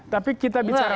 tapi kita bicara